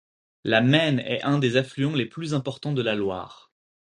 La Maine est un des affluents les plus importants de la Loire.